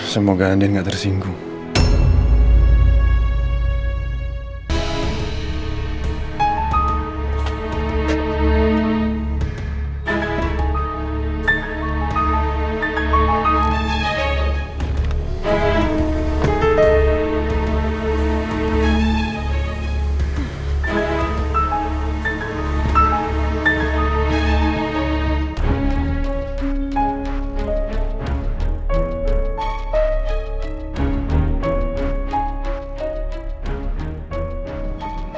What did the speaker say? semoga andien gak tersinggung